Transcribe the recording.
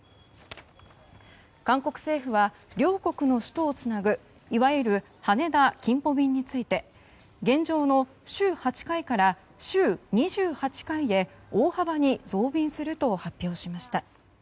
韓国政府は両国の首都をつなぐ、いわゆる羽田キンポ便について現状の週８回から週２８回へ大幅に増便すると発表しました。